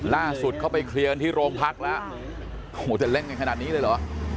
ล่าสุดเขาไปเคลียรที่โรงพักละโหจะเร่งกันขนาดนี้เลยเหรอ